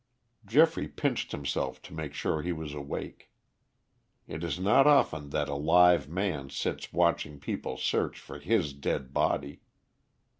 Geoffrey pinched himself to make sure he was awake. It is not often that a live man sits watching people search for his dead body.